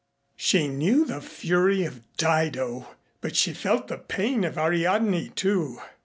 She knew the fury of Dido, but she felt the pain of Ariadne too.